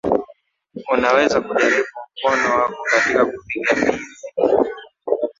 Unaweza kujaribu mkono wako katika kupiga mbizi